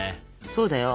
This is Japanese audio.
そうだよ。